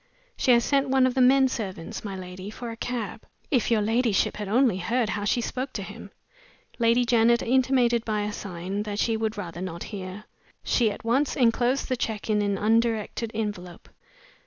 "She has sent one of the men servants, my lady, for a cab. If your ladyship had only heard how she spoke to him!" Lady Janet intimated by a sign that she would rather not hear. She at once inclosed the check in an undirected envelope.